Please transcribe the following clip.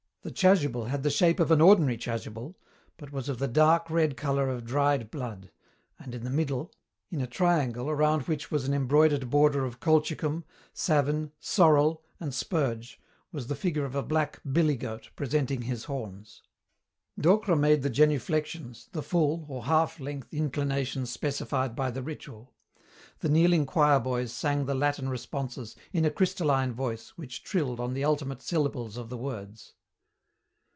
The chasuble had the shape of an ordinary chasuble but was of the dark red colour of dried blood, and in the middle, in a triangle around which was an embroidered border of colchicum, savin, sorrel, and spurge, was the figure of a black billy goat presenting his horns. Docre made the genuflexions, the full or half length inclinations specified by the ritual. The kneeling choir boys sang the Latin responses in a crystalline voice which trilled on the ultimate syllables of the words.